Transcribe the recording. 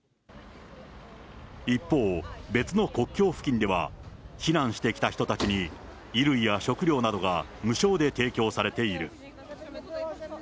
一方、別の国境付近では、避難してきた人たちに、衣類や食料などが無償で提供されている。